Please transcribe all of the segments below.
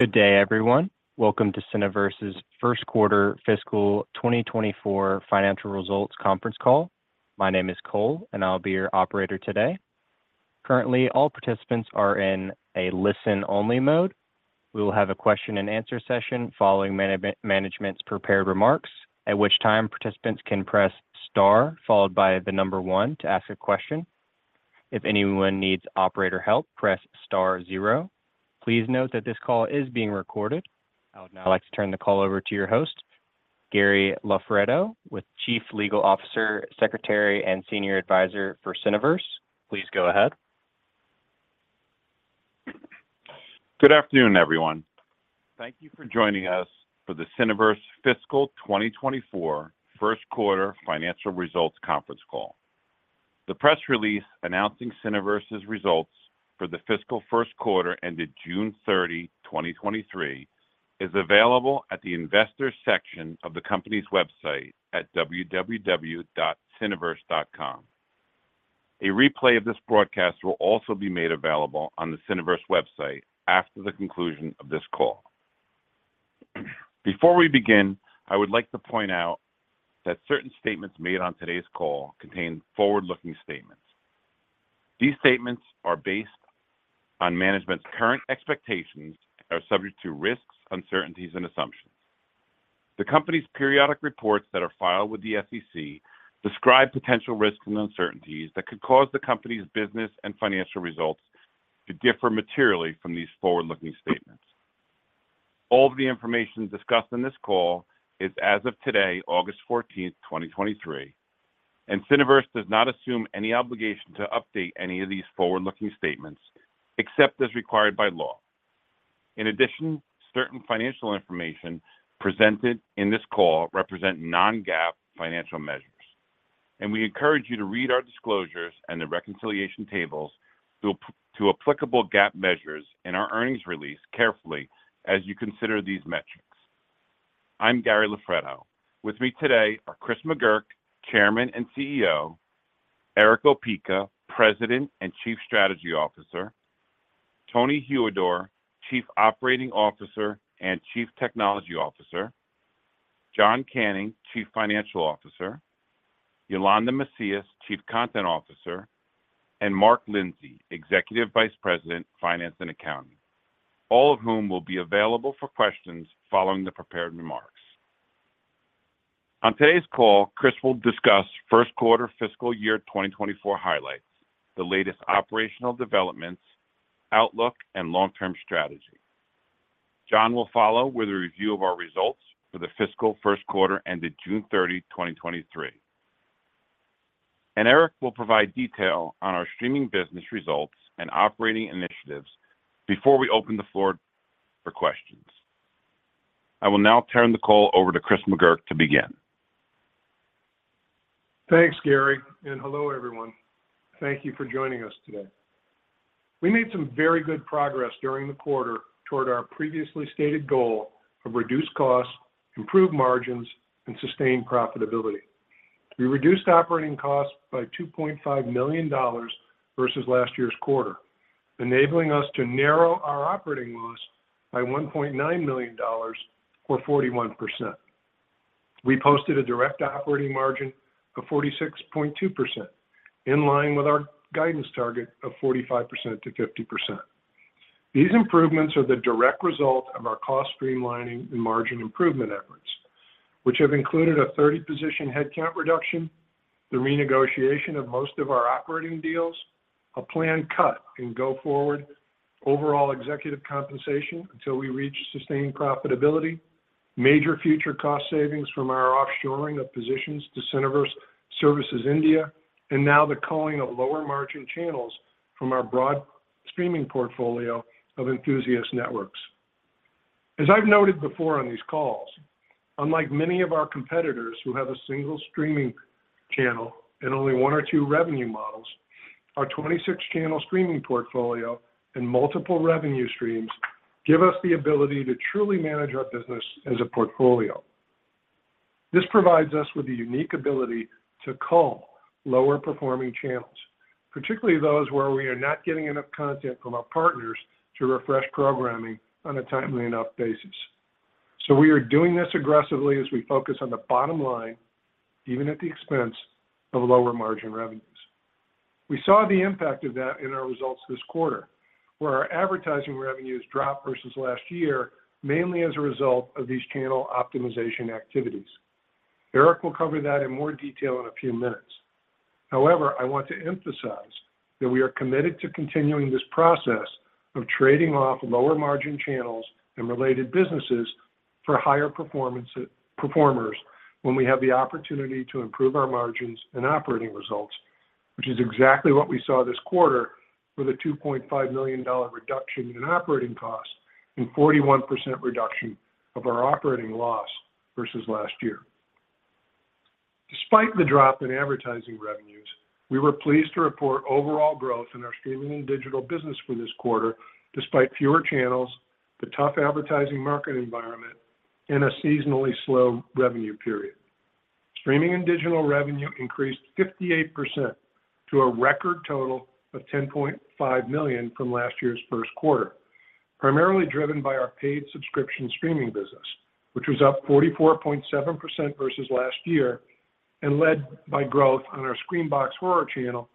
Good day, everyone. Welcome to Cineverse's first quarter fiscal 2024 financial results conference call. My name is Cole, and I'll be your operator today. Currently, all participants are in a listen-only mode. We will have a question and answer session following management's prepared remarks, at which time participants can press star followed by the number one to ask a question. If anyone needs operator help, press star zero. Please note that this call is being recorded. I would now like to turn the call over to your host, Gary Loffredo, Chief Legal Officer, Secretary and Senior Advisor for Cineverse. Please go ahead. Good afternoon, everyone. Thank you for joining us for the Cineverse fiscal 2024 first quarter financial results conference call. The press release announcing Cineverse's results for the fiscal first quarter ended June 30, 2023, is available at the investor section of the company's website at investors.cineverse.com. A replay of this broadcast will also be made available on the Cineverse website after the conclusion of this call. Before we begin, I would like to point out that certain statements made on today's call contain forward-looking statements. These statements are based on management's current expectations, are subject to risks, uncertainties and assumptions. The company's periodic reports that are filed with the SEC describe potential risks and uncertainties that could cause the company's business and financial results to differ materially from these forward-looking statements. All of the information discussed in this call is as of today, August 14th, 2023, and Cineverse does not assume any obligation to update any of these forward-looking statements except as required by law. In addition, certain financial information presented in this call represent non-GAAP financial measures, and we encourage you to read our disclosures and the reconciliation tables to applicable GAAP measures in our earnings release carefully as you consider these metrics. I'm Gary Loffredo. With me today are Chris McGurk, Chairman and CEO; Erick Opeka, President and Chief Strategy Officer; Tony Huidor, Chief Operating Officer and Chief Technology Officer; John Canning, Chief Financial Officer; Yolanda Macias, Chief Content Officer; and Mark Lindsay, Executive Vice President, Finance and Accounting, all of whom will be available for questions following the prepared remarks. On today's call, Chris will discuss first quarter fiscal year 2024 highlights, the latest operational developments, outlook, and long-term strategy. John will follow with a review of our results for the fiscal first quarter ended June 30, 2023. Erick will provide detail on our streaming business results and operating initiatives before we open the floor for questions. I will now turn the call over to Chris McGurk to begin. Thanks, Gary. Hello, everyone. Thank you for joining us today. We made some very good progress during the quarter toward our previously stated goal of reduced costs, improved margins, and sustained profitability. We reduced operating costs by $2.5 million versus last year's quarter, enabling us to narrow our operating loss by $1.9 million, or 41%. We posted a direct operating margin of 46.2%, in line with our guidance target of 45%-50%. These improvements are the direct result of our cost streamlining and margin improvement efforts, which have included a 30-position headcount reduction, the renegotiation of most of our operating deals, a planned cut in go-forward overall executive compensation until we reach sustained profitability, major future cost savings from our offshoring of positions to Cineverse Services India, and now the culling of lower-margin channels from our broad streaming portfolio of enthusiast networks. As I've noted before on these calls, unlike many of our competitors who have a single streaming channel and only one or two revenue models, our 26-channel streaming portfolio and multiple revenue streams give us the ability to truly manage our business as a portfolio. This provides us with the unique ability to cull lower-performing channels, particularly those where we are not getting enough content from our partners to refresh programming on a timely enough basis. We are doing this aggressively as we focus on the bottom line, even at the expense of lower-margin revenues. We saw the impact of that in our results this quarter, where our advertising revenues dropped versus last year, mainly as a result of these channel optimization activities. Erick will cover that in more detail in a few minutes. However, I want to emphasize that we are committed to continuing this process of trading off lower-margin channels and related businesses for higher performance, performers when we have the opportunity to improve our margins and operating results, which is exactly what we saw this quarter with a $2.5 million reduction in operating costs and 41% reduction of our operating loss versus last year. Despite the drop in advertising revenues, we were pleased to report overall growth in our streaming and digital business for this quarter, despite fewer channels, the tough advertising market environment, and a seasonally slow revenue period. Streaming and digital revenue increased 58% to a record total of $10.5 million from last year's first quarter, primarily driven by our paid subscription streaming business, which was up 44.7% versus last year, and led by growth on our SCREAMBOX horror channel,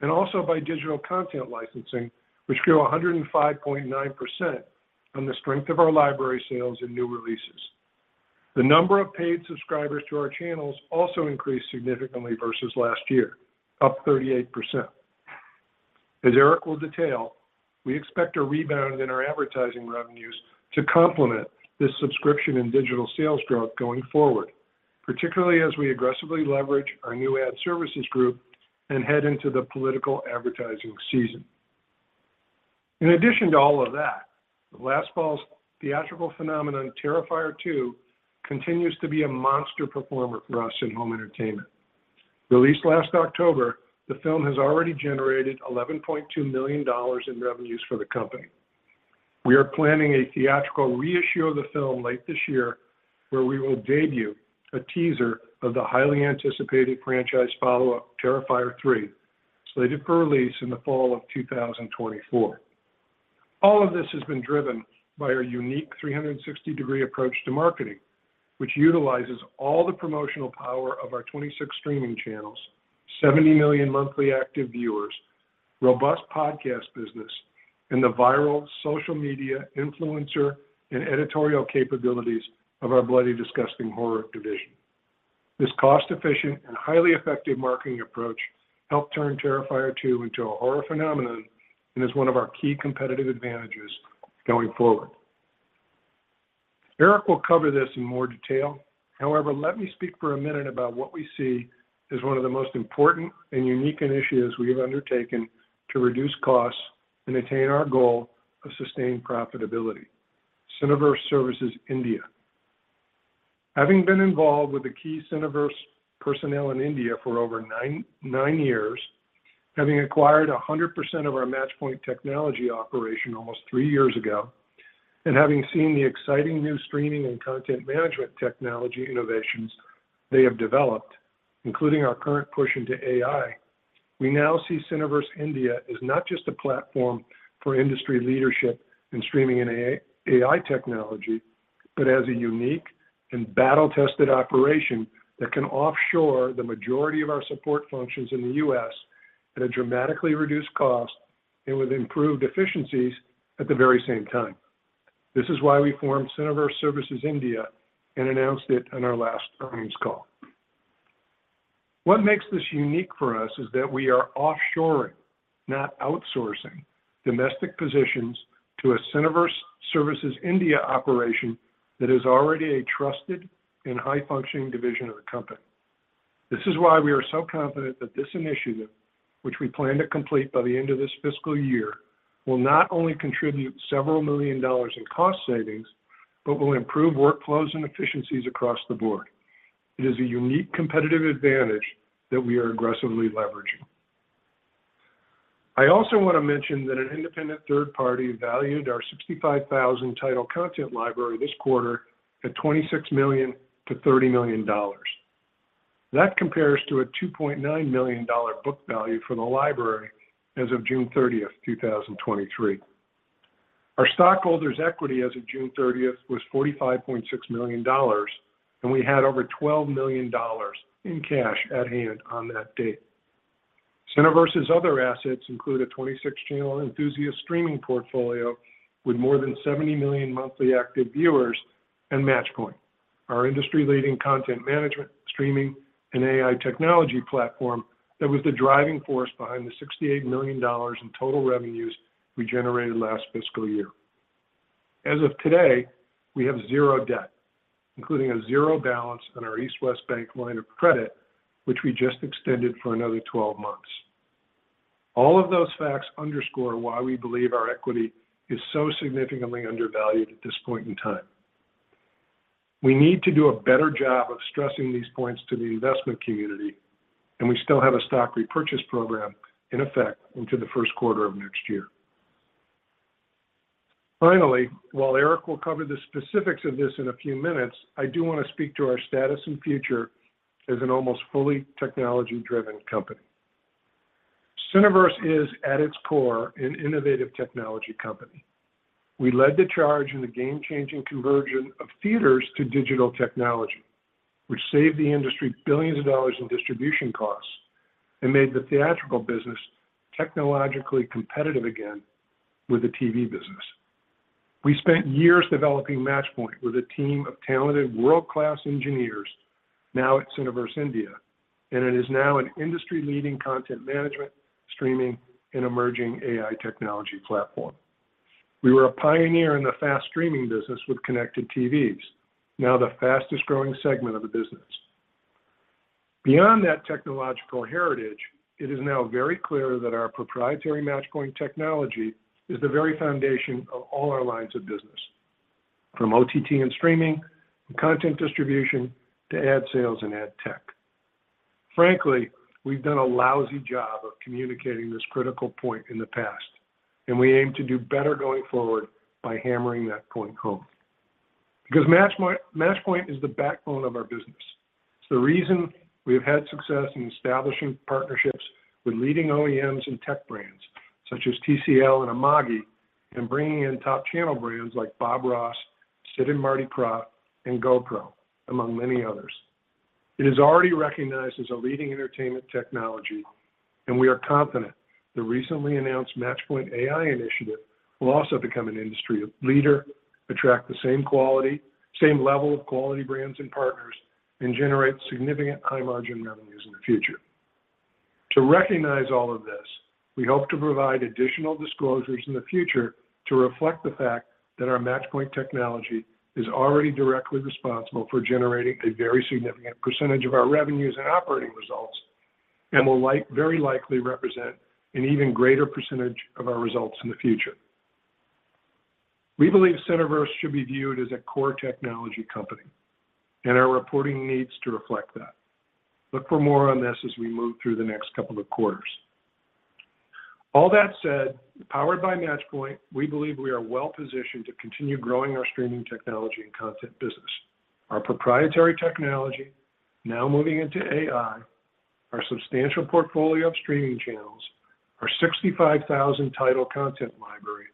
and also by digital content licensing, which grew 105.9% on the strength of our library sales and new releases. The number of paid subscribers to our channels also increased significantly versus last year, up 38%. As Erick will detail, we expect a rebound in our advertising revenues to complement this subscription and digital sales growth going forward, particularly as we aggressively leverage our new ad services group and head into the political advertising season. In addition to all of that, last fall's theatrical phenomenon, Terrifier 2, continues to be a monster performer for us in home entertainment. Released last October, the film has already generated $11.2 million in revenues for the company. We are planning a theatrical reissue of the film late this year, where we will debut a teaser of the highly anticipated franchise follow-up, Terrifier 3, slated for release in the fall of 2024. All of this has been driven by our unique 360-degree approach to marketing, which utilizes all the promotional power of our 26 streaming channels, 70 million monthly active viewers, robust podcast business, and the viral social media influencer and editorial capabilities of our Bloody Disgusting Horror division. This cost-efficient and highly effective marketing approach helped turn Terrifier 2 into a horror phenomenon and is one of our key competitive advantages going forward. Erick will cover this in more detail. Let me speak for a minute about what we see as one of the most important and unique initiatives we have undertaken to reduce costs and attain our goal of sustained profitability, Cineverse Services India. Having been involved with the key Cineverse personnel in India for over nine, nine years, having acquired 100% of our Matchpoint technology operation almost three years ago, and having seen the exciting new streaming and content management technology innovations they have developed, including our current push into AI, we now see Cineverse India as not just a platform for industry leadership in streaming and AI technology, but as a unique and battle-tested operation that can offshore the majority of our support functions in the U.S. at a dramatically reduced cost and with improved efficiencies at the very same time. This is why we formed Cineverse Services India and announced it on our last earnings call. What makes this unique for us is that we are offshoring, not outsourcing, domestic positions to a Cineverse Services India operation that is already a trusted and high-functioning division of the company. This is why we are so confident that this initiative, which we plan to complete by the end of this fiscal year, will not only contribute several million dollars in cost savings, but will improve workflows and efficiencies across the board. It is a unique competitive advantage that we are aggressively leveraging. I also want to mention that an independent third party valued our 65,000 title content library this quarter at $26 million-$30 million. That compares to a $2.9 million book value for the library as of June 30, 2023. Our stockholders' equity as of June 30th was $45.6 million, we had over $12 million in cash at hand on that date. Cineverse's other assets include a 26 channel enthusiast streaming portfolio with more than 70 million monthly active viewers and Matchpoint, our industry-leading content management, streaming, and AI technology platform that was the driving force behind the $68 million in total revenues we generated last fiscal year. As of today, we have 0 debt, including a 0 balance on our East West Bank line of credit, which we just extended for another 12 months. All of those facts underscore why we believe our equity is so significantly undervalued at this point in time. We need to do a better job of stressing these points to the investment community, and we still have a stock repurchase program in effect into the first quarter of next year. Finally, while Erick will cover the specifics of this in a few minutes, I do want to speak to our status and future as an almost fully technology-driven company. Cineverse is, at its core, an innovative technology company. We led the charge in the game-changing conversion of theaters to digital technology, which saved the industry billions of dollars in distribution costs and made the theatrical business technologically competitive again with the TV business. We spent years developing Matchpoint with a team of talented world-class engineers, now at Cineverse India, and it is now an industry-leading content management, streaming, and emerging AI technology platform. We were a pioneer in the FAST streaming business with connected TVs, now the fastest-growing segment of the business. Beyond that technological heritage, it is now very clear that our proprietary Matchpoint technology is the very foundation of all our lines of business, from OTT and streaming, to content distribution, to ad sales and ad tech. Frankly, we've done a lousy job of communicating this critical point in the past, and we aim to do better going forward by hammering that point home. Matchpoint is the backbone of our business. It's the reason we have had success in establishing partnerships with leading OEMs and tech brands, such as TCL and Amagi, bringing in top channel brands like Bob Ross, Sid and Marty Krofft, and GoPro, among many others. It is already recognized as a leading entertainment technology. We are confident the recently announced Matchpoint AI initiative will also become an industry leader, attract the same level of quality brands and partners, and generate significant high-margin revenues in the future. To recognize all of this, we hope to provide additional disclosures in the future to reflect the fact that our Matchpoint technology is already directly responsible for generating a very significant % of our revenues and operating results, and will very likely represent an even greater % of our results in the future. We believe Cineverse should be viewed as a core technology company, and our reporting needs to reflect that. Look for more on this as we move through the next couple of quarters. All that said, powered by Matchpoint, we believe we are well positioned to continue growing our streaming technology and content business. Our proprietary technology, now moving into AI, our substantial portfolio of streaming channels, our 65,000 title content library,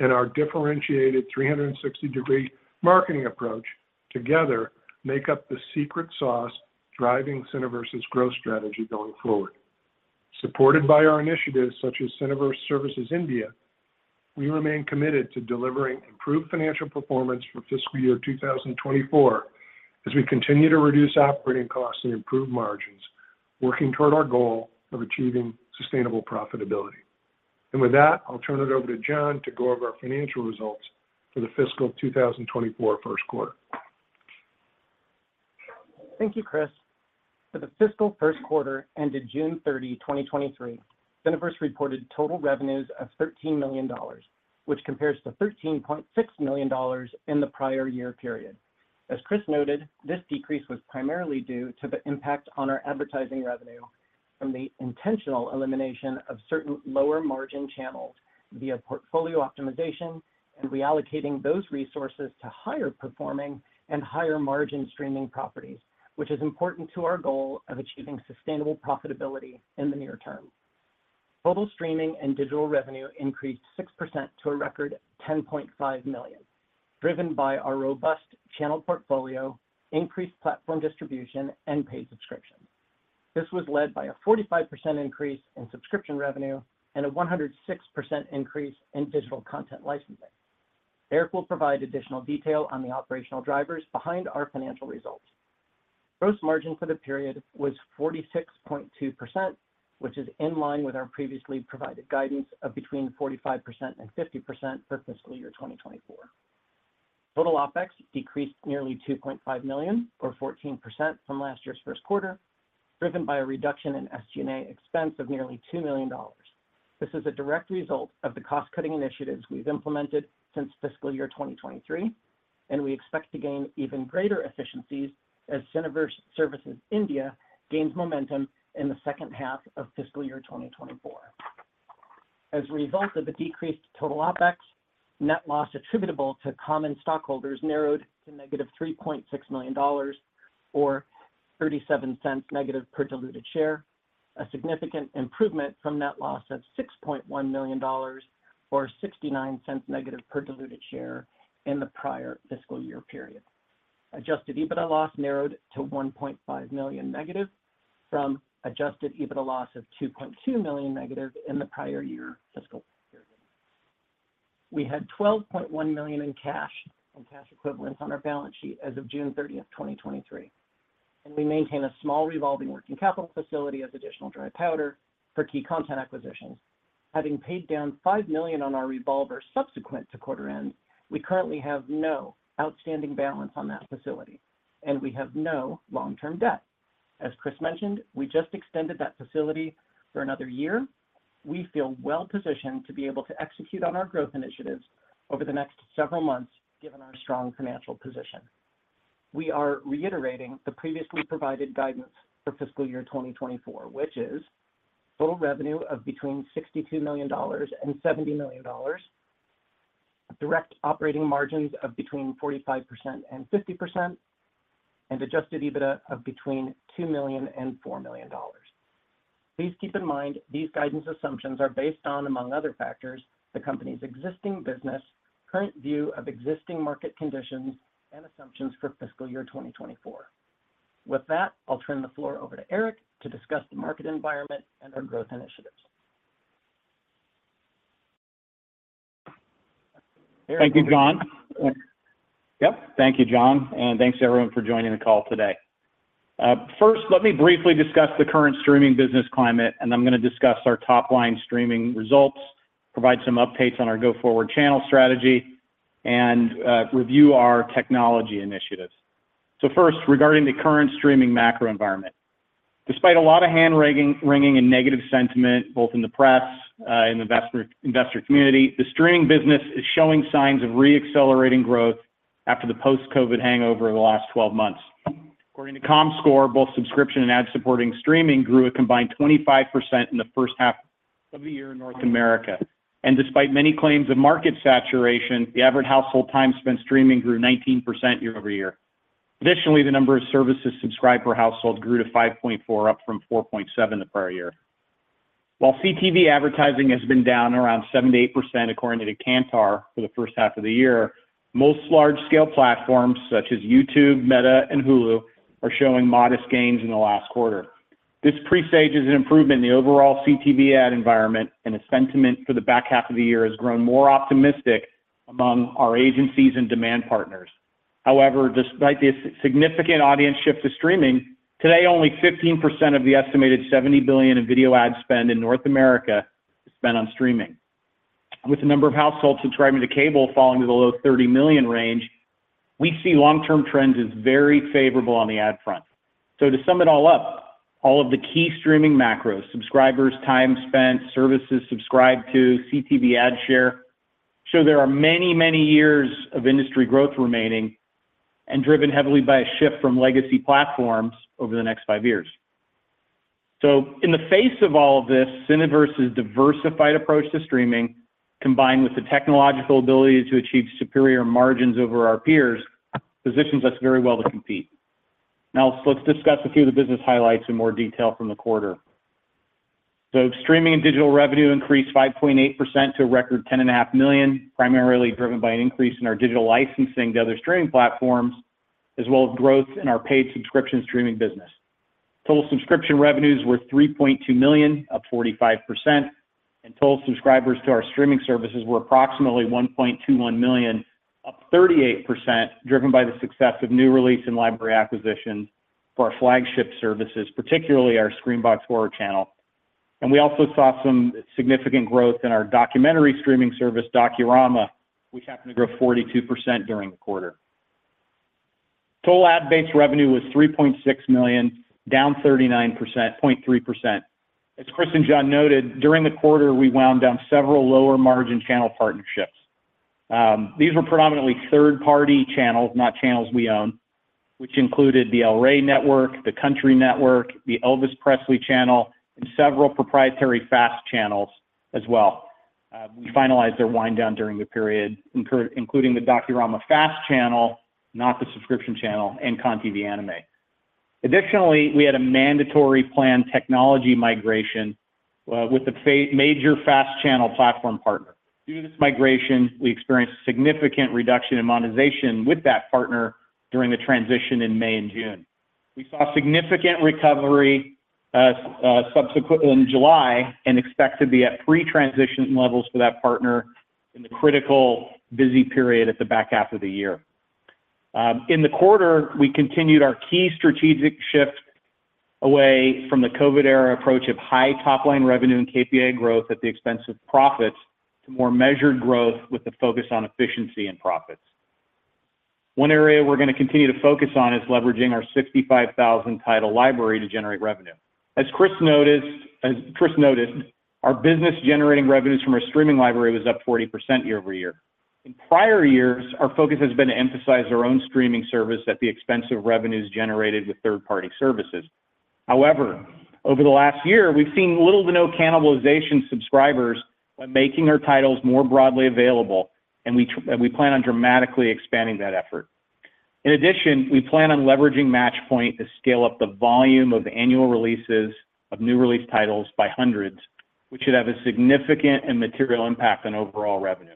and our differentiated 360-degree marketing approach together make up the secret sauce driving Cineverse's growth strategy going forward. Supported by our initiatives, such as Cineverse Services India, we remain committed to delivering improved financial performance for fiscal year 2024, as we continue to reduce operating costs and improve margins, working toward our goal of achieving sustainable profitability. With that, I'll turn it over to John to go over our financial results for the fiscal 2024 first quarter. Thank you, Chris. For the fiscal first quarter ended June 30, 2023, Cineverse reported total revenues of $13 million, which compares to $13.6 million in the prior year period. As Chris noted, this decrease was primarily due to the impact on our advertising revenue from the intentional elimination of certain lower margin channels via portfolio optimization and reallocating those resources to higher performing and higher margin streaming properties, which is important to our goal of achieving sustainable profitability in the near term. Total streaming and digital revenue increased 6% to a record $10.5 million, driven by our robust channel portfolio, increased platform distribution, and paid subscription. This was led by a 45% increase in subscription revenue and a 106% increase in digital content licensing. Erick will provide additional detail on the operational drivers behind our financial results. Gross margin for the period was 46.2%, which is in line with our previously provided guidance of between 45% and 50% for fiscal year 2024. Total OpEx decreased nearly $2.5 million, or 14% from last year's first quarter, driven by a reduction in SG&A expense of nearly $2 million. This is a direct result of the cost-cutting initiatives we've implemented since fiscal year 2023, and we expect to gain even greater efficiencies as Cineverse Services India gains momentum in the second half of fiscal year 2024. As a result of the decreased total OpEx, net loss attributable to common stockholders narrowed to -$3.6 million, or -$0.37 per diluted share, a significant improvement from net loss of $6.1 million, or -$0.69 per diluted share in the prior fiscal year period. Adjusted EBITDA loss narrowed to -$1.5 million from adjusted EBITDA loss of -$2.2 million in the prior year fiscal period. We had $12.1 million in cash and cash equivalents on our balance sheet as of June 30, 2023. We maintain a small revolving working capital facility as additional dry powder for key content acquisitions. Having paid down $5 million on our revolver subsequent to quarter end, we currently have no outstanding balance on that facility, and we have no long-term debt. As Chris mentioned, we just extended that facility for another year. We feel well positioned to be able to execute on our growth initiatives over the next several months, given our strong financial position. We are reiterating the previously provided guidance for fiscal year 2024, which is total revenue of between $62 million and $70 million, direct operating margins of between 45% and 50%, and adjusted EBITDA of between $2 million and $4 million. Please keep in mind, these guidance assumptions are based on, among other factors, the company's existing business, current view of existing market conditions, and assumptions for fiscal year 2024. With that, I'll turn the floor over to Erick to discuss the market environment and our growth initiatives. Thank you, John. Yep. Thank you, John, and thanks to everyone for joining the call today. First, let me briefly discuss the current streaming business climate, and I'm going to discuss our top-line streaming results, provide some updates on our go-forward channel strategy, and review our technology initiatives. First, regarding the current streaming macro environment. Despite a lot of hand-wringing and negative sentiment, both in the press and the investor community, the streaming business is showing signs of re-accelerating growth. After the post-COVID hangover of the last 12 months. According to Comscore, both subscription and ad-supporting streaming grew a combined 25% in the first half of the year in North America. Despite many claims of market saturation, the average household time spent streaming grew 19% year-over-year. Additionally, the number of services subscribed per household grew to 5.4, up from 4.7 the prior year. While CTV advertising has been down around 70%-80%, according to Kantar, for the first half of the year, most large-scale platforms such as YouTube, Meta, and Hulu are showing modest gains in the last quarter. This presages an improvement in the overall CTV ad environment, and a sentiment for the back half of the year has grown more optimistic among our agencies and demand partners. However, despite this significant audience shift to streaming, today, only 15% of the estimated $70 billion in video ad spend in North America is spent on streaming. With the number of households subscribing to cable falling to the low 30 million range, we see long-term trends as very favorable on the ad front. To sum it all up, all of the key streaming macros, subscribers, time spent, services subscribed to, CTV ad share, show there are many, many years of industry growth remaining and driven heavily by a shift from legacy platforms over the next 5 years. In the face of all of this, Cineverse's diversified approach to streaming, combined with the technological ability to achieve superior margins over our peers, positions us very well to compete. Now, let's discuss a few of the business highlights in more detail from the quarter. Streaming and digital revenue increased 5.8% to a record $10.5 million, primarily driven by an increase in our digital licensing to other streaming platforms, as well as growth in our paid subscription streaming business. Total subscription revenues were $3.2 million, up 45%, and total subscribers to our streaming services were approximately 1.21 million, up 38%, driven by the success of new release and library acquisition for our flagship services, particularly our SCREAMBOX Horror Channel. We also saw some significant growth in our documentary streaming service, Docurama, which happened to grow 42% during the quarter. Total ad-based revenue was $3.6 million, down 39.3%. As Chris and John noted, during the quarter, we wound down several lower-margin channel partnerships. These were predominantly third-party channels, not channels we own, which included the El Rey Network, The Country Network, The Elvis Presley Channel, and several proprietary FAST channels as well. We finalized their wind down during the period, including the Docurama FAST channel, not the subscription channel, and CONtv Anime. Additionally, we had a mandatory plan technology migration with a major FAST channel platform partner. Due to this migration, we experienced a significant reduction in monetization with that partner during the transition in May and June. We saw significant recovery subsequently in July and expect to be at pre-transition levels for that partner in the critical busy period at the back half of the year. In the quarter, we continued our key strategic shift away from the COVID-era approach of high top-line revenue and KPA growth at the expense of profits, to more measured growth with the focus on efficiency and profits. One area we're going to continue to focus on is leveraging our 65,000 title library to generate revenue. As Chris noted, our business generating revenues from our streaming library was up 40% year-over-year. In prior years, our focus has been to emphasize our own streaming service at the expense of revenues generated with third-party services. However, over the last year, we've seen little to no cannibalization subscribers by making our titles more broadly available, and we plan on dramatically expanding that effort. In addition, we plan on leveraging Matchpoint to scale up the volume of annual releases of new release titles by hundreds, which should have a significant and material impact on overall revenue.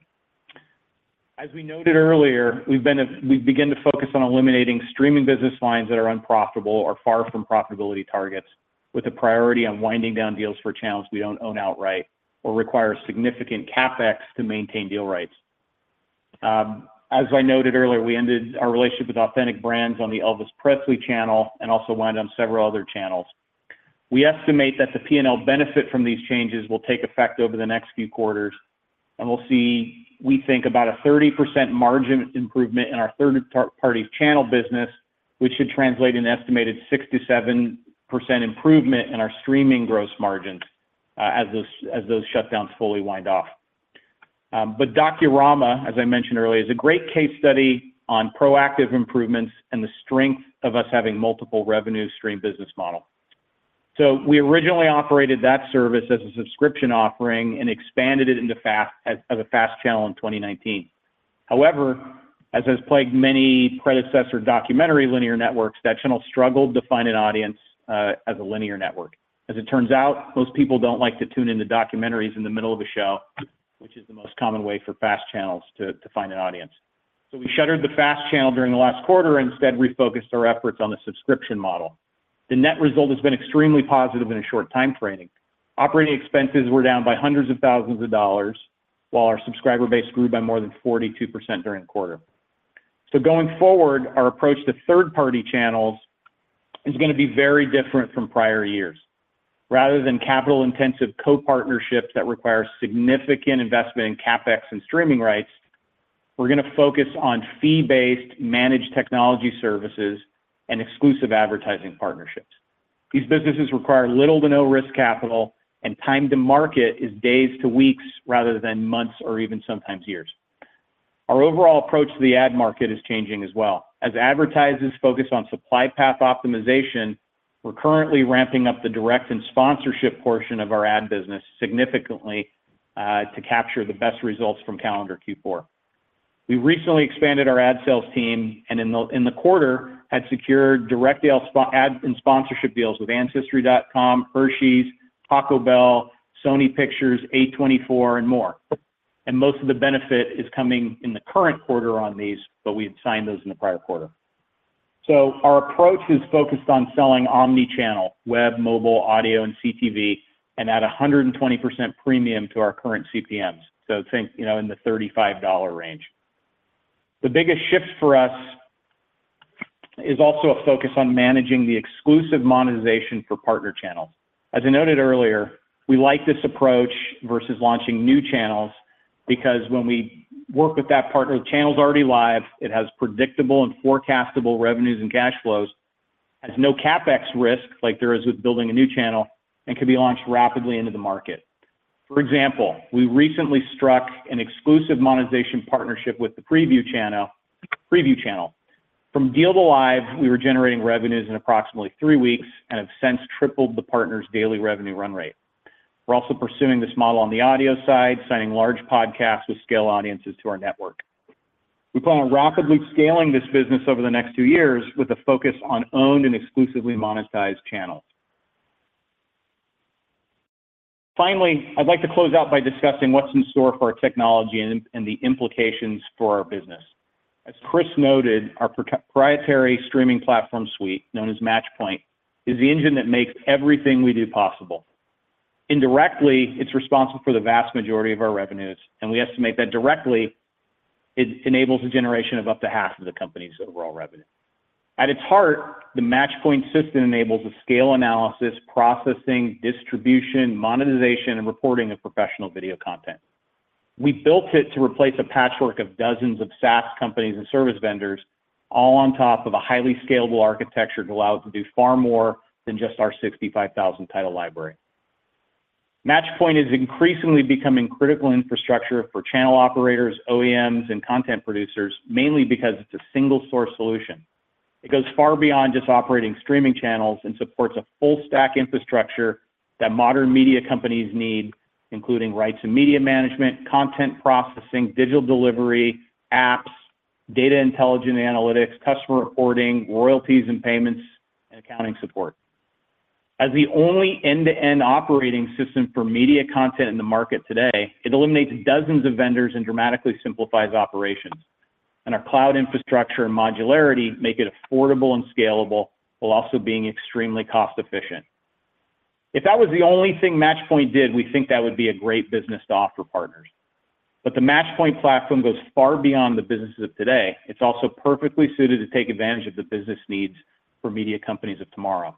As we noted earlier, we've begun to focus on eliminating streaming business lines that are unprofitable or far from profitability targets, with a priority on winding down deals for channels we don't own outright or require significant CapEx to maintain deal rights. As I noted earlier, we ended our relationship with Authentic Brands on the Elvis Presley Channel. Also wind down several other channels. We estimate that the P&L benefit from these changes will take effect over the next few quarters, and we'll see, we think, about a 30% margin improvement in our third-party channel business, which should translate an estimated 6%-7% improvement in our streaming gross margins, as those shutdowns fully wind off. Docurama, as I mentioned earlier, is a great case study on proactive improvements and the strength of us having multiple revenue stream business model. We originally operated that service as a subscription offering and expanded it into a FAST channel in 2019. However, as has plagued many predecessor documentary linear networks, that channel struggled to find an audience as a linear network. As it turns out, most people don't like to tune into documentaries in the middle of a show, which is the most common way for FAST channels to, to find an audience. We shuttered the FAST channel during the last quarter and instead refocused our efforts on the subscription model. The net result has been extremely positive in a short time framing. Operating expenses were down by hundreds of thousands of dollars, while our subscriber base grew by more than 42% during the quarter. Going forward, our approach to third-party channels is going to be very different from prior years. Rather than capital-intensive co-partnerships that require significant investment in CapEx and streaming rights, we're going to focus on fee-based managed technology services and exclusive advertising partnerships. These businesses require little to no risk capital, and time to market is days to weeks rather than months or even sometimes years. Our overall approach to the ad market is changing as well. As advertisers focus on supply path optimization, we're currently ramping up the direct and sponsorship portion of our ad business significantly to capture the best results from calendar Q4. We recently expanded our ad sales team, and in the, in the quarter, had secured direct deal ads and sponsorship deals with Ancestry.com, Hershey's, Taco Bell, Sony Pictures, A24, and more. Most of the benefit is coming in the current quarter on these, but we had signed those in the prior quarter. Our approach is focused on selling omni-channel, web, mobile, audio, and CTV, and at a 120% premium to our current CPMs. Think, you know, in the $35 range. The biggest shift for us is also a focus on managing the exclusive monetization for partner channels. As I noted earlier, we like this approach versus launching new channels because when we work with that partner, the channel's already live, it has predictable and forecastable revenues and cash flows, has no CapEx risk, like there is with building a new channel, and can be launched rapidly into the market. For example, we recently struck an exclusive monetization partnership with the Preview Channel, Preview Channel. From deal to live, we were generating revenues in approximately three weeks and have since tripled the partner's daily revenue run rate. We're also pursuing this model on the audio side, signing large podcasts with scale audiences to our network. We plan on rapidly scaling this business over the next 2 years with a focus on owned and exclusively monetized channels. Finally, I'd like to close out by discussing what's in store for our technology and the implications for our business. As Chris noted, our proprietary streaming platform suite, known as Matchpoint, is the engine that makes everything we do possible. Indirectly, it's responsible for the vast majority of our revenues, and we estimate that directly, it enables a generation of up to half of the company's overall revenue. At its heart, the Matchpoint system enables a scale analysis, processing, distribution, monetization, and reporting of professional video content. We built it to replace a patchwork of dozens of SaaS companies and service vendors, all on top of a highly scalable architecture to allow us to do far more than just our 65,000 title library. Matchpoint is increasingly becoming critical infrastructure for channel operators, OEMs, and content producers, mainly because it's a single-source solution. It goes far beyond just operating streaming channels and supports a full stack infrastructure that modern media companies need, including rights and media management, content processing, digital delivery, apps, data intelligent analytics, customer reporting, royalties and payments, and accounting support. As the only end-to-end operating system for media content in the market today, it eliminates dozens of vendors and dramatically simplifies operations. Our cloud infrastructure and modularity make it affordable and scalable, while also being extremely cost-efficient. If that was the only thing Matchpoint did, we think that would be a great business to offer partners. The Matchpoint platform goes far beyond the businesses of today. It's also perfectly suited to take advantage of the business needs for media companies of tomorrow.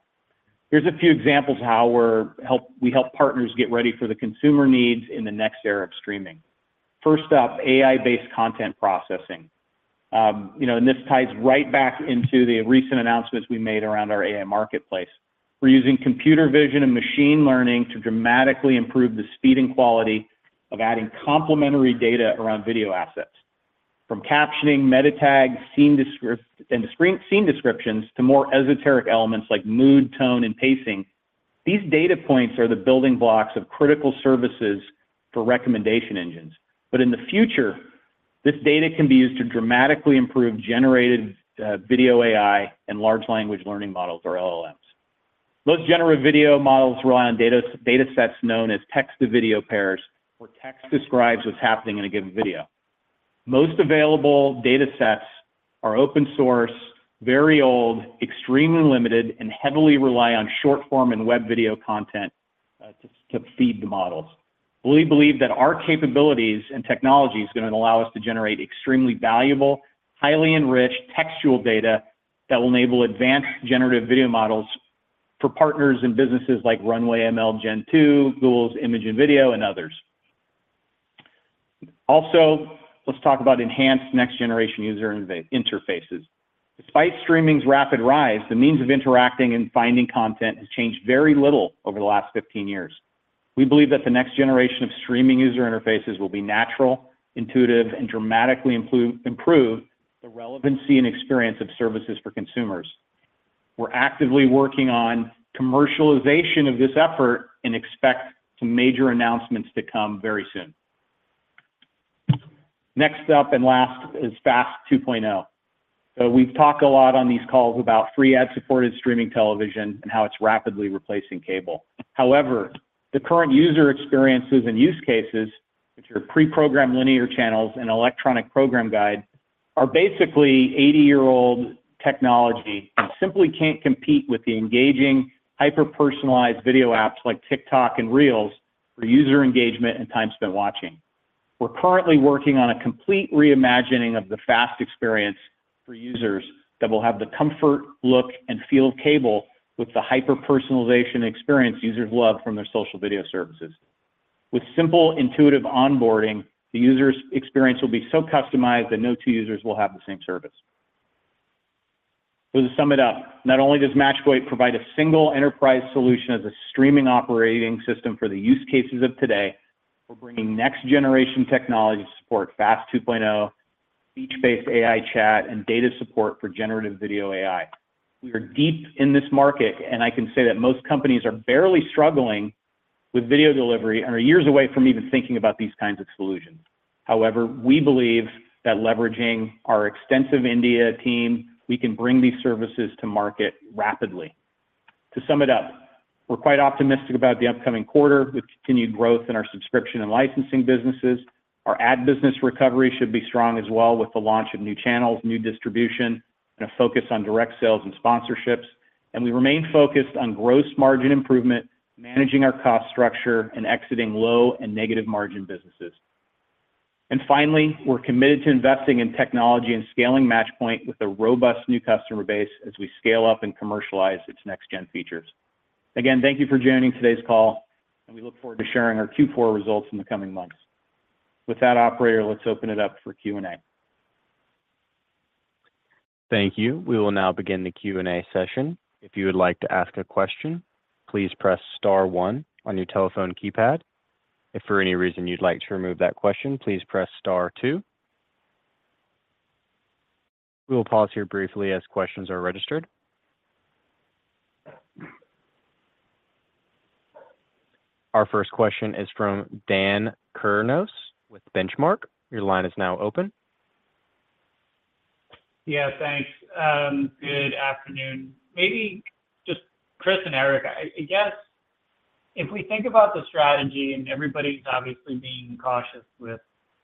Here's a few examples of how we help partners get ready for the consumer needs in the next era of streaming. First up, AI-based content processing. You know, this ties right back into the recent announcements we made around our AI marketplace. We're using computer vision and machine learning to dramatically improve the speed and quality of adding complementary data around video assets. From captioning, meta tags, scene descriptions, to more esoteric elements like mood, tone, and pacing, these data points are the building blocks of critical services for recommendation engines. In the future, this data can be used to dramatically improve generated video AI and large language learning models, or LLMs. Most generative video models rely on data, datasets known as text-to-video pairs, where text describes what's happening in a given video. Most available datasets are open source, very old, extremely limited, and heavily rely on short form and web video content, to feed the models. We believe that our capabilities and technology is gonna allow us to generate extremely valuable, highly enriched textual data that will enable advanced generative video models for partners and businesses like Runway Gen-2, Google Imagen Video, and others. Also, let's talk about enhanced next-generation user interfaces. Despite streaming's rapid rise, the means of interacting and finding content has changed very little over the last 15 years. We believe that the next generation of streaming user interfaces will be natural, intuitive, and dramatically improve the relevancy and experience of services for consumers. We're actively working on commercialization of this effort and expect some major announcements to come very soon. Next up and last is FAST 2.0. We've talked a lot on these calls about free ad-supported streaming television and how it's rapidly replacing cable. However, the current user experiences and use cases, which are preprogrammed linear channels and electronic program guide, are basically 80-year-old technology and simply can't compete with the engaging, hyper-personalized video apps like TikTok and Reels for user engagement and time spent watching. We're currently working on a complete reimagining of the FAST experience for users that will have the comfort, look, and feel of cable with the hyper-personalization experience users love from their social video services. With simple, intuitive onboarding, the user's experience will be so customized that no two users will have the same service. To sum it up, not only does Matchpoint provide a single enterprise solution as a streaming operating system for the use cases of today, we're bringing next generation technology to support FAST 2.0, speech-based AI chat, and data support for generative video AI. We are deep in this market, and I can say that most companies are barely struggling with video delivery and are years away from even thinking about these kinds of solutions. However, we believe that leveraging our extensive India team, we can bring these services to market rapidly. To sum it up, we're quite optimistic about the upcoming quarter with continued growth in our subscription and licensing businesses. Our ad business recovery should be strong as well with the launch of new channels, new distribution, and a focus on direct sales and sponsorships. We remain focused on gross margin improvement, managing our cost structure, and exiting low and negative margin businesses. Finally, we're committed to investing in technology and scaling Matchpoint with a robust new customer base as we scale up and commercialize its next gen features. Again, thank you for joining today's call, and we look forward to sharing our Q4 results in the coming months. With that, operator, let's open it up for Q&A. Thank you. We will now begin the Q&A session. If you would like to ask a question, please press star one on your telephone keypad. If for any reason you'd like to remove that question, please press star two. We will pause here briefly as questions are registered. Our first question is from Dan Kurnos with Benchmark. Your line is now open. Yeah, thanks. Good afternoon. Maybe just Chris and Erick, I, I guess if we think about the strategy, and everybody's obviously being cautious with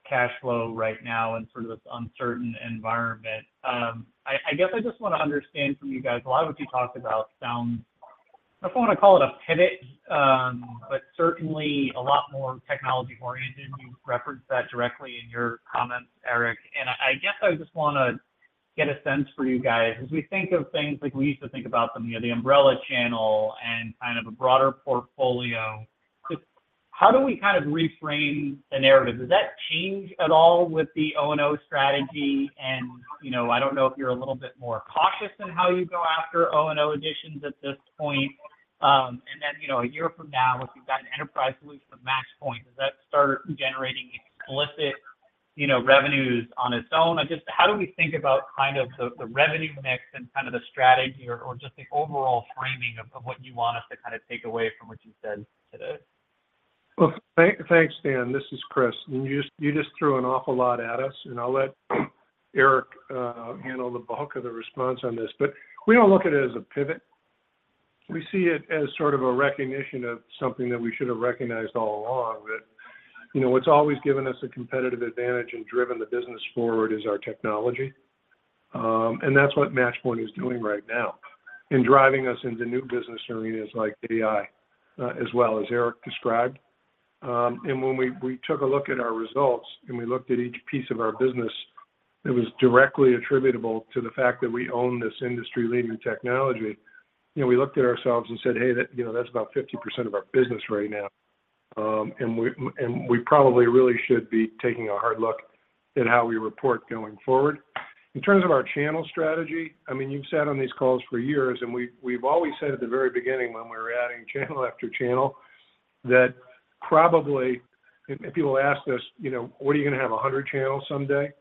cash flow right now in sort of this uncertain environment, I, I guess I just wanna understand from you guys, a lot of what you talked about sounds, I don't wanna call it a pivot, but certainly a lot more technology-oriented. You referenced that directly in your comments, Erick. I, I guess I just wanna get a sense for you guys, as we think of things like we used to think about them, you know, the umbrella channel and kind of a broader portfolio, just how do we kind of reframe the narrative? Does that change at all with the O&O strategy? You know, I don't know if you're a little bit more cautious in how you go after O&O additions at this point. And then, you know, a year from now, if you've got an enterprise solution for MatchPoint, does that start generating explicit, you know, revenues on its own? I just-- how do we think about kind of the, the revenue mix and kind of the strategy or, or just the overall framing of, of what you want us to kind of take away from what you said today? Well, thank, thanks, Dan. This is Chris, and you just, you just threw an awful lot at us, and I'll let Erick handle the bulk of the response on this. We don't look at it as a pivot. We see it as sort of a recognition of something that we should have recognized all along, that, you know, what's always given us a competitive advantage and driven the business forward is our technology. That's what Matchpoint is doing right now in driving us into new business arenas like AI, as well as Erick described. And when we, we took a look at our results, and we looked at each piece of our business that was directly attributable to the fact that we own this industry-leading technology, you know, we looked at ourselves and said, "Hey, that, you know, that's about 50% of our business right now, and we, and we probably really should be taking a hard look at how we report going forward." In terms of our channel strategy, I mean, you've sat on these calls for years, and we've always said at the very beginning when we were adding channel after channel, that probably, and, and people ask us, "You know, what, are you gonna have 100 channels someday?"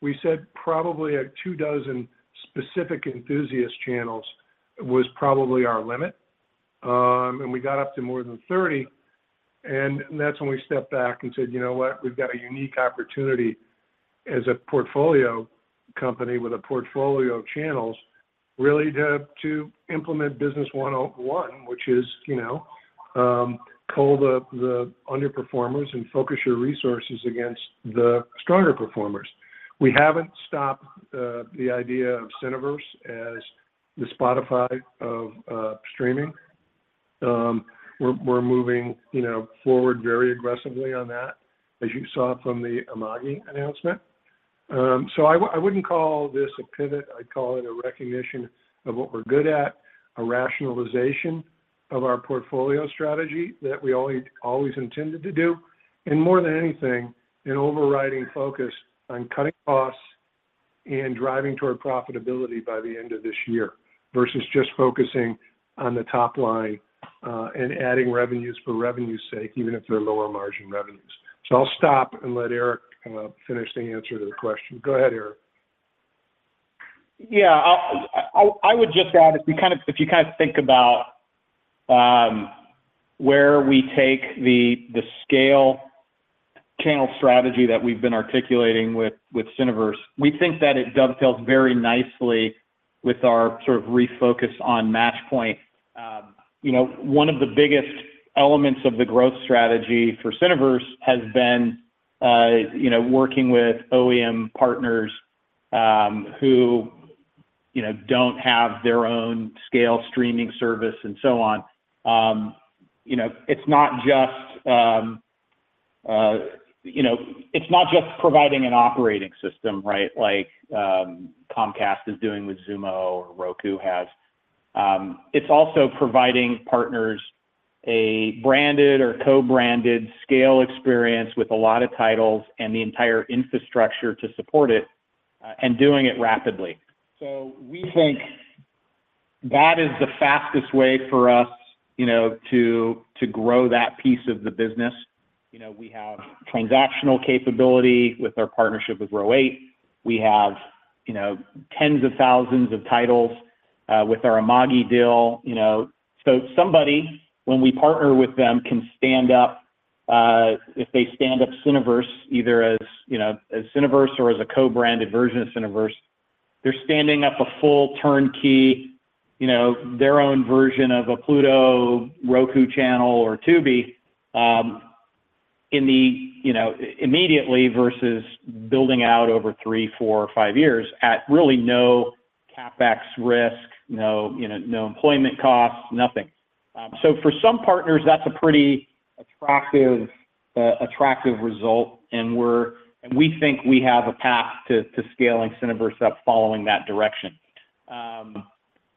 We said probably a two dozen specific enthusiast channels was probably our limit. We got up to more than 30, and that's when we stepped back and said, "You know what? We've got a unique opportunity as a portfolio company with a portfolio of channels, really to, to implement business 1 on 1," which is, you know, cull the, the underperformers and focus your resources against the stronger performers. We haven't stopped, the idea of Cineverse as the Spotify of streaming. We're, we're moving, you know, forward very aggressively on that, as you saw from the Amagi announcement. I wouldn't call this a pivot. I'd call it a recognition of what we're good at, a rationalization of our portfolio strategy that we always, always intended to do, and more than anything, an overriding focus on cutting costs and driving toward profitability by the end of this year, versus just focusing on the top line, and adding revenues for revenue's sake, even if they're lower margin revenues. So I'll stop and let Erick finish the answer to the question. Go ahead, Erick. Yeah, I'll, I, I would just add, if you kind of think about, where we take the, the scale channel strategy that we've been articulating with, with Cineverse, we think that it dovetails very nicely with our sort of refocus on Matchpoint. You know, one of the biggest elements of the growth strategy for Cineverse has been, you know, working with OEM partners, who, you know, don't have their own scale streaming service and so on. You know, it's not just, you know, it's not just providing an operating system, right? Like, Comcast is doing with Xumo or Roku has. It's also providing partners a branded or co-branded scale experience with a lot of titles and the entire infrastructure to support it, and doing it rapidly. We think that is the fastest way for us, you know, to, to grow that piece of the business. You know, we have transactional capability with our partnership with Row8. We have, you know, tens of thousands of titles with our Amagi deal, you know. Somebody, when we partner with them, can stand up, if they stand up Cineverse, either as, you know, as Cineverse or as a co-branded version of Cineverse, they're standing up a full turnkey, you know, their own version of a Pluto, Roku Channel, or Tubi, immediately versus building out over three, four, or five years at really no CapEx risk, no, you know, no employment costs, nothing. For some partners, that's a pretty attractive, attractive result, and we think we have a path to scaling Cineverse up following that direction.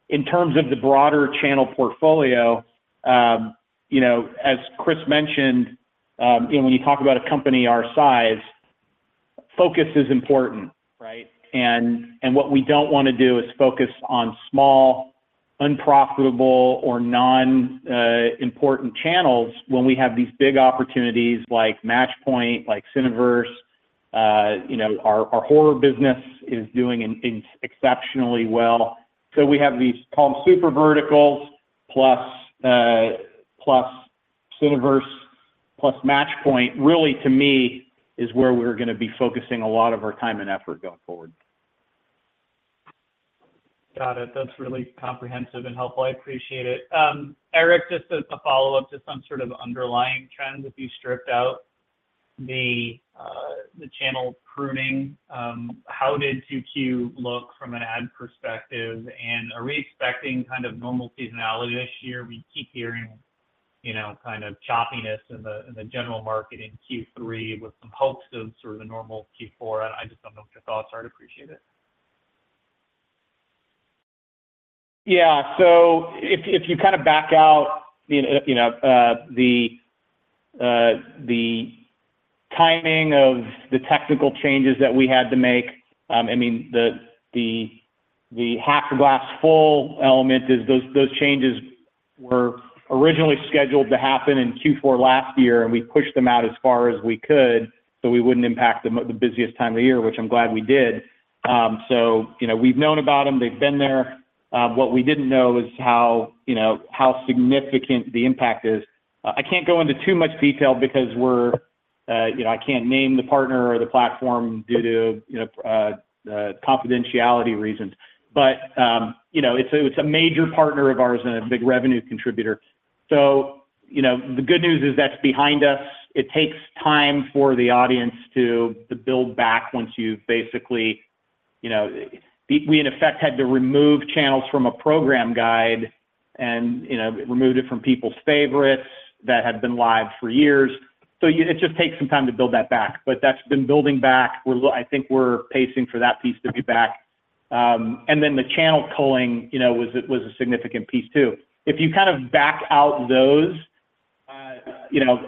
In terms of the broader channel portfolio, you know, as Chris mentioned, when you talk about a company our size, focus is important, right? What we don't wanna do is focus on small, unprofitable, or non, important channels when we have these big opportunities like Matchpoint, like Cineverse, you know, our horror business is doing in exceptionally well. We have these called super verticals, plus, plus Cineverse, plus Matchpoint, really, to me, is where we're gonna be focusing a lot of our time and effort going forward. Got it. That's really comprehensive and helpful. I appreciate it. Erick, just as a follow-up to some sort of underlying trend, if you stripped out the channel pruning, how did Q2 look from an ad perspective? Are we expecting kind of normal seasonality this year? We keep hearing, you know, kind of choppiness in the general market in Q3 with some hopes of sort of a normal Q4. I just don't know what your thoughts are. I'd appreciate it. Yeah. If, if you kinda back out, you know, you know, the, the timing of the technical changes that we had to make, I mean, the, the, the half glass full element is those, those changes were originally scheduled to happen in Q4 last year, and we pushed them out as far as we could, so we wouldn't impact them at the busiest time of the year, which I'm glad we did. We've known about them. They've been there. What we didn't know is how, you know, how significant the impact is. I can't go into too much detail because we're, you know, I can't name the partner or the platform due to, confidentiality reasons. It's a, it's a major partner of ours and a big revenue contributor. You know, the good news is that's behind us. It takes time for the audience to, to build back once you've basically... You know, we, in effect, had to remove channels from a program guide and, you know, removed it from people's favorites that had been live for years. It just takes some time to build that back, but that's been building back. I think we're pacing for that piece to be back. Then the channel culling, you know, was a, was a significant piece too. If you kind of back out those, you know,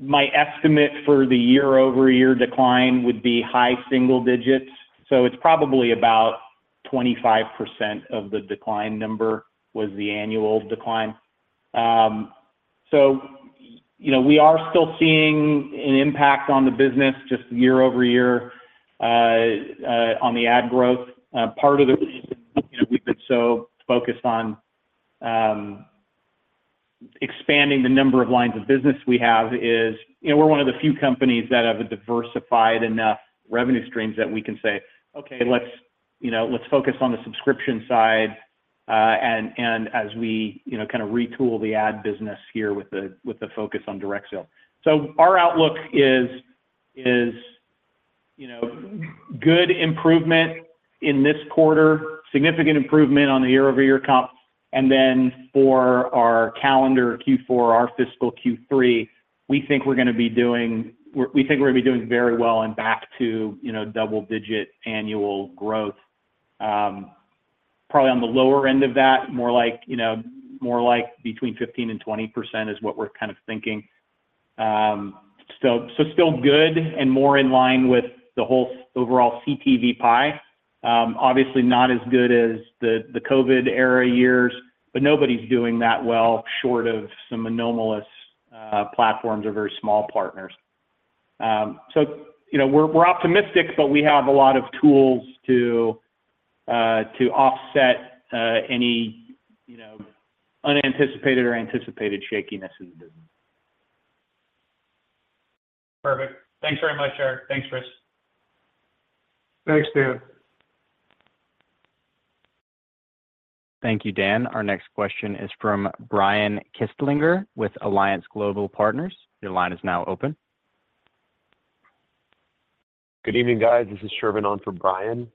my estimate for the year-over-year decline would be high single digits, so it's probably about 25% of the decline number was the annual decline. You know, we are still seeing an impact on the business just year-over-year on the ad growth. Part of the reason, you know, we've been so focused on expanding the number of lines of business we have is, you know, we're one of the few companies that have a diversified enough revenue streams that we can say, "Okay, let's, you know, let's focus on the subscription side, and, and as we, you know, kinda retool the ad business here with the, with the focus on direct sale." Our outlook is, is, you know, good improvement in this quarter, significant improvement on the year-over-year comp, and then for our calendar Q4, our fiscal Q3, we think we're gonna be doing very well and back to, you know, double-digit annual growth. Probably on the lower end of that, more like, you know, more like between 15% and 20% is what we're kind of thinking. So still good and more in line with the whole overall CTV pie. Obviously not as good as the COVID-era years, but nobody's doing that well, short of some anomalous platforms or very small partners. You know, we're optimistic, but we have a lot of tools to offset any, you know, unanticipated or anticipated shakiness in the business. Perfect. Thanks very much, Erick. Thanks, Chris. Thanks, Dan. Thank you, Dan. Our next question is from Brian Kinstlinger with Alliance Global Partners. Your line is now open. Good evening, guys. This is Shervin on for Brian.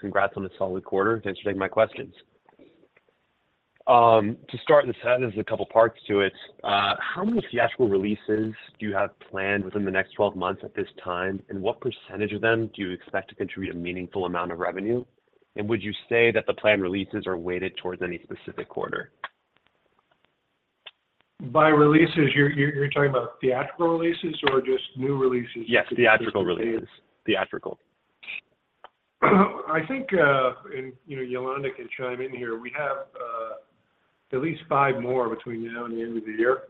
Congrats on the solid quarter. Thanks for taking my questions. To start, this has a couple of parts to it. How many theatrical releases do you have planned within the next 12 months at this time, and what % of them do you expect to contribute a meaningful amount of revenue? Would you say that the planned releases are weighted towards any specific quarter? By releases, you're talking about theatrical releases or just new releases? Yes, theatrical releases. Theatrical. I think, you know, Yolanda can chime in here, we have, at least five more between now and the end of the year,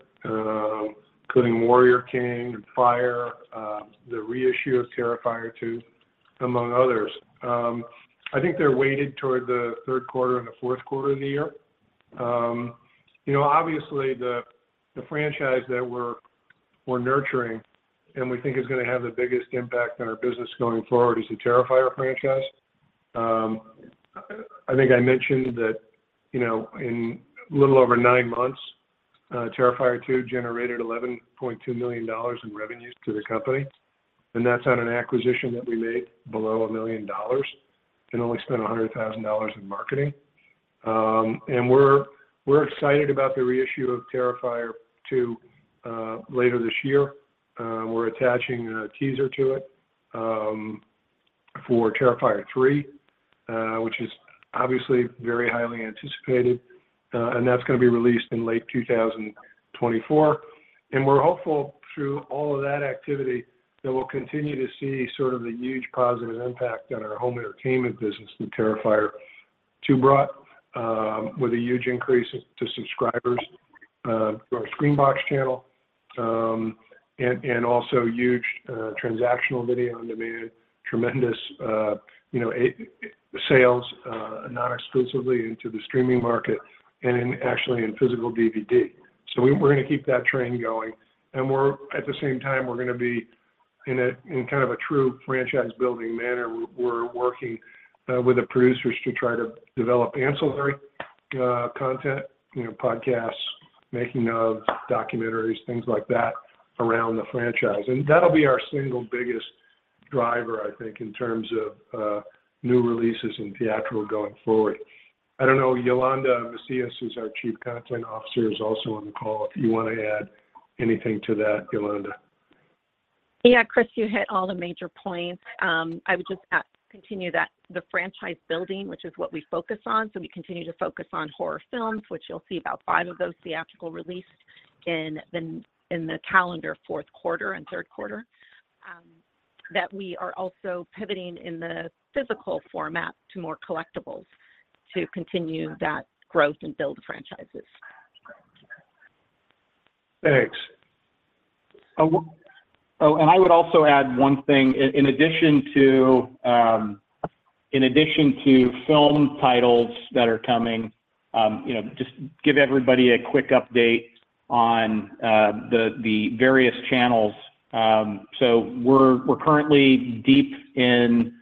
including Warrior King, On Fire, the reissue of Terrifier 2, among others. I think they're weighted toward the third quarter and the fourth quarter of the year. You know, obviously, the, the franchise that we're, we're nurturing, and we think is gonna have the biggest impact on our business going forward, is the Terrifier franchise. I think I mentioned that, you know, in a little over nine months, Terrifier 2 generated $11.2 million in revenues to the company, and that's on an acquisition that we made below $1 million and only spent $100,000 in marketing. We're, we're excited about the reissue of Terrifier 2, later this year. We're attaching a teaser to it for Terrifier 3, which is obviously very highly anticipated. That's gonna be released in late 2024. We're hopeful through all of that activity, that we'll continue to see sort of the huge positive impact on our home entertainment business that Terrifier 2 brought with a huge increase to subscribers through our SCREAMBOX channel, and also huge transactional video-on-demand, tremendous, you know, sales, not exclusively into the streaming market and in actually in physical DVD. We-we're gonna keep that train going, and we're at the same time, we're gonna be in a, in kind of a true franchise building manner. We're working with the producers to try to develop ancillary content, you know, podcasts, making of, documentaries, things like that around the franchise. That'll be our single biggest driver, I think, in terms of new releases in theatrical going forward. I don't know, Yolanda Macias, who's our Chief Content Officer, is also on the call, if you want to add anything to that, Yolanda. Yeah, Chris, you hit all the major points. I would just add, continue that the franchise building, which is what we focus on, so we continue to focus on horror films, which you'll see about 5 of those theatrical released in the, in the calendar fourth quarter and third quarter. That we are also pivoting in the physical format to more collectibles to continue that growth and build the franchises. Thanks. Oh, I would also add one thing. In, in addition to, in addition to film titles that are coming, you know, just give everybody a quick update on the, the various channels. We're, we're currently deep in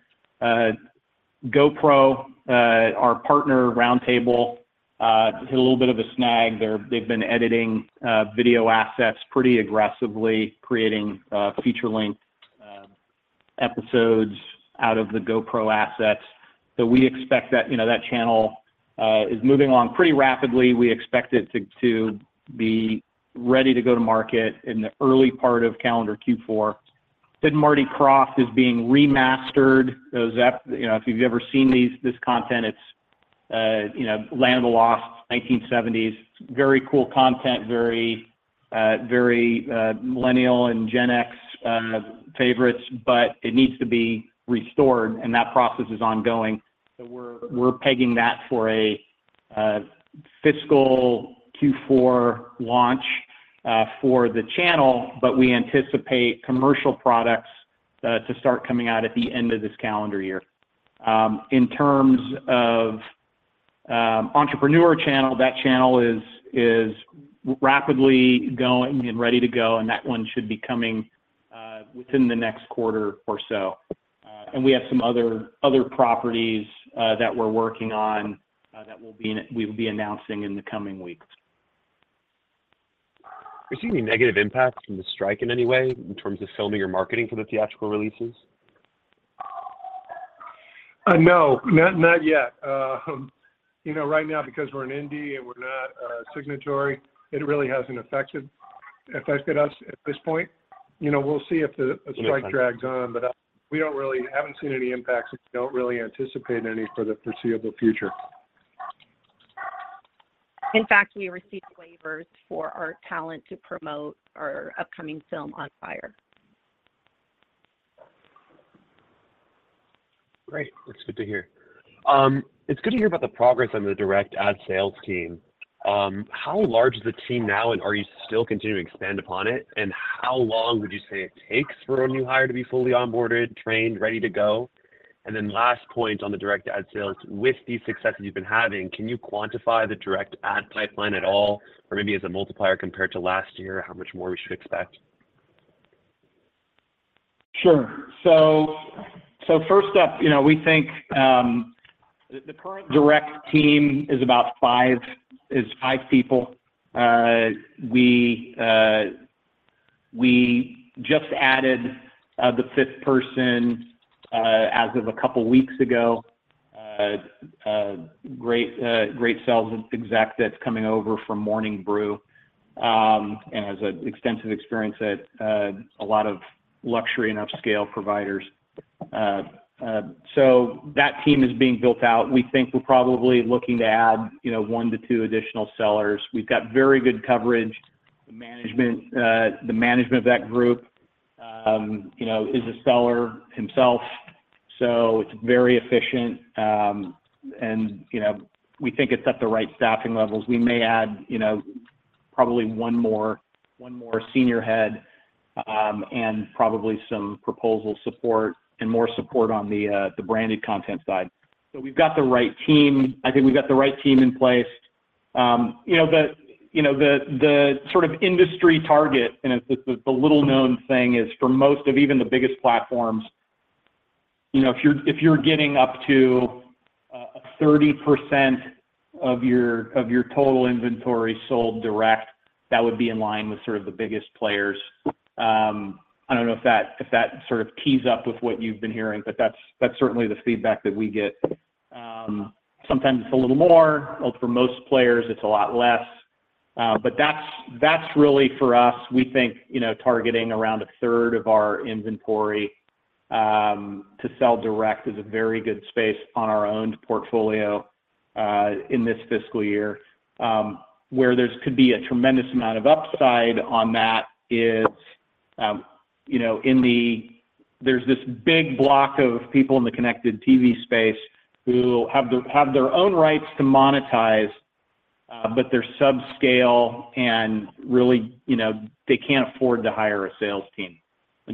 GoPro. Our partner, Roundtable, hit a little bit of a snag. They've been editing, video assets pretty aggressively, creating, feature-length, episodes out of the GoPro assets. We expect that, you know, that channel, is moving along pretty rapidly. We expect it to, to be ready to go to market in the early part of calendar Q4. Sid and Marty Krofft is being remastered. You know, if you've ever seen these, this content, it's, you know, Land of the Lost, 1970s, very cool content, very, very millennial and Gen X favorites, but it needs to be restored, and that process is ongoing. We're pegging that for a fiscal Q4 launch for the channel, but we anticipate commercial products to start coming out at the end of this calendar year. In terms of Entrepreneur TV channel, that channel is rapidly going and ready to go, and that one should be coming within the next quarter or so. We have some other, other properties that we're working on that we'll be announcing in the coming weeks. Are you seeing any negative impacts from the strike in any way, in terms of filming or marketing for the theatrical releases? No, not, not yet. You know, right now because we're an indie and we're not a signatory, it really hasn't affected, affected us at this point. You know, we'll see if the strike drags on. We don't really haven't seen any impacts and don't really anticipate any for the foreseeable future. In fact, we received waivers for our talent to promote our upcoming film On Fire. Great. That's good to hear. It's good to hear about the progress on the direct ad sales team. How large is the team now, and are you still continuing to expand upon it? How long would you say it takes for a new hire to be fully onboarded, trained, ready to go? Then last point on the direct ad sales: With the success that you've been having, can you quantify the direct ad pipeline at all, or maybe as a multiplier compared to last year, how much more we should expect? Sure. First up, you know, we think the current direct team is about 5, is 5 people. We just added the fifth person as of a couple weeks ago. A great sales exec that's coming over from Morning Brew and has extensive experience at a lot of luxury and upscale providers. That team is being built out. We think we're probably looking to add, you know, 1-2 additional sellers. We've got very good coverage. The management of that group, you know, is a seller himself, so it's very efficient. And, you know, we think it's at the right staffing levels. We may add, you know, probably one more, one more senior head, and probably some proposal support and more support on the branded content side. We've got the right team. I think we've got the right team in place. You know, the, you know, the, the sort of industry target, and it's, it's a little-known thing, is for most of even the biggest platforms, you know, if you're, if you're getting up to a 30% of your, of your total inventory sold direct, that would be in line with sort of the biggest players. I don't know if that, if that sort of tees up with what you've been hearing, but that's, that's certainly the feedback that we get. Sometimes it's a little more, or for most players, it's a lot less. That's, that's really for us, we think, you know, targeting around 1/3 of our inventory to sell direct is a very good space on our own portfolio in this fiscal year. Where there could be a tremendous amount of upside on that is, you know, there's this big block of people in the connected TV space who have their, have their own rights to monetize, but they're subscale and really, you know, they can't afford to hire a sales team.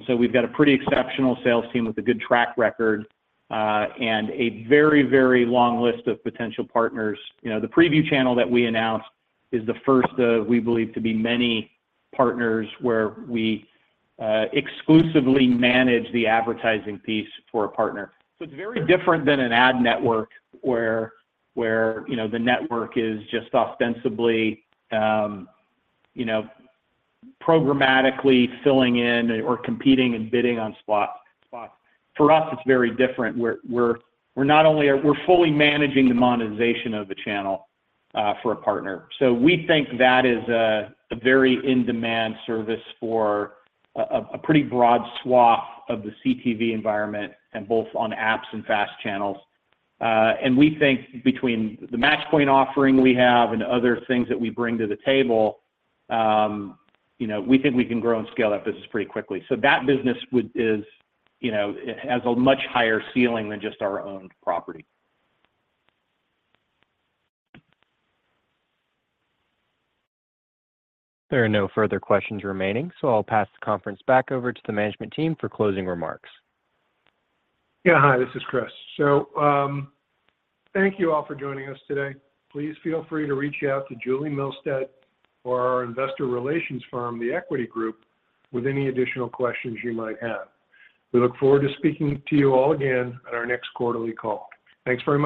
We've got a pretty exceptional sales team with a good track record and a very, very long list of potential partners. You know, the Preview Channel that we announced is the first, we believe to be many partners where we exclusively manage the advertising piece for a partner. It's very different than an ad network where, where, you know, the network is just ostensibly, you know, programmatically filling in or competing and bidding on spots, spots. For us, it's very different. We're, we're, we're not only, we're fully managing the monetization of the channel for a partner. We think that is a, a very in-demand service for a, a, a pretty broad swath of the CTV environment, and both on apps and FAST channels. And we think between the Matchpoint offering we have and other things that we bring to the table, you know, we think we can grow and scale that business pretty quickly. That business is, you know, has a much higher ceiling than just our own property. There are no further questions remaining. I'll pass the conference back over to the management team for closing remarks. Yeah. Hi, this is Chris. Thank you all for joining us today. Please feel free to reach out to Julie Milstead or our investor relations firm, The Equity Group, with any additional questions you might have. We look forward to speaking to you all again on our next quarterly call. Thanks very much.